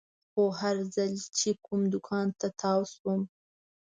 خو هر ځل چې کوم دوکان ته تاو شوم.